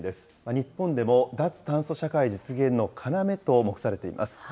日本でも脱炭素社会実現の要と目されています。